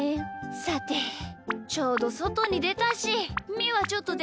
さてちょうどそとにでたしみーはちょっとでかけてくるね。